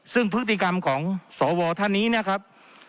ซึ่งพฤติกรรมของสวท่านนี้นะครับ